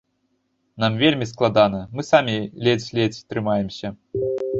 Нам вельмі складана, мы самі ледзь-ледзь трымаемся.